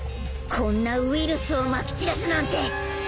こんなウイルスをまき散らすなんて。